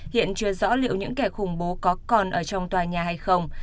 hiện chưa rõ liệu những kẻ khủng bố có còn ở trong tòa nhà hay không